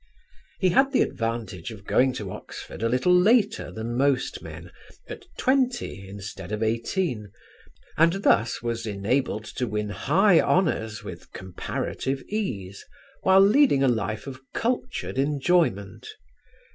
He had the advantage of going to Oxford a little later than most men, at twenty instead of eighteen, and thus was enabled to win high honours with comparative ease, while leading a life of cultured enjoyment.